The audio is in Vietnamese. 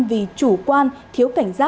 vì chủ quan thiếu kẻ